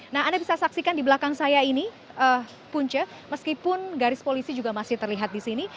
nah anda bisa saksikan di belakang saya ini punca meskipun garis polisi juga masih terlihat di sini